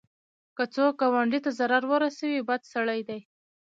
که څوک ګاونډي ته ضرر ورسوي، بد سړی دی